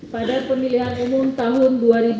pada pemilihan umum tahun dua ribu sembilan belas